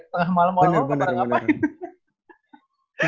tengah malam orang orang pada ngapain